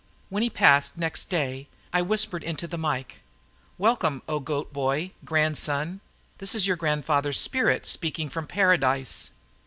When he passed next day, I whispered into the mike: "Welcome, O Goat boy Grandson! This is your grandfather's spirit speaking from paradise."